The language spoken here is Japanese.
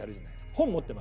本持ってまして。